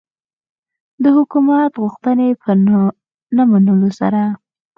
د حکومت غوښتنې په نه منلو سره.